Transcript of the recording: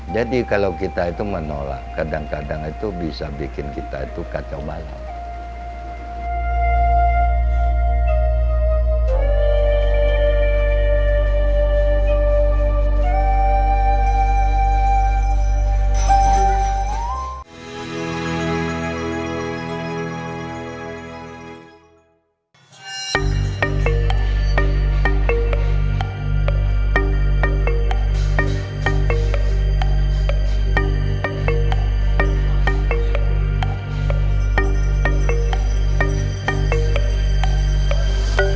jadi kalau kita itu menolak kadang kadang itu bisa bikin kita itu kacau balik